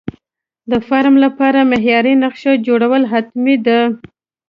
د فارم لپاره معیاري نقشه جوړول حتمي ده.